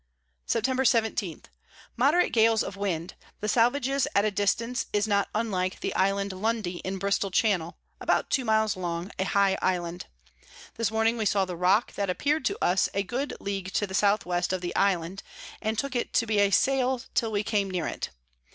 Sept. 17. Moderate Gales of Wind; the Salvages at a distance is not unlike the Island Lundy in Bristol Channel, about two miles long, a high Island. This Morning we saw the Rock, that appear'd to us a good League to the S W. of the Island, and took it to be a Sail till we came near it.